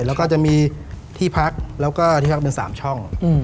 แล้วก็จะมีที่พักแล้วก็ที่พักเป็น๓ช่อง